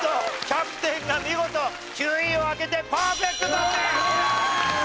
キャプテンが見事９位を開けてパーフェクト達成！